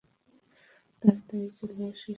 তাড়াতাড়ি চলে আসো সবাই!